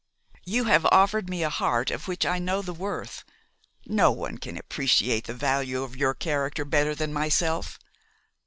You have offered me a heart of which I know the worth. No one can appreciate the value of your character better than myself.